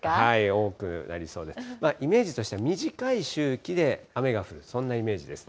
多くなりそうで、イメージとしては短い周期で雨が降る、そんなイメージです。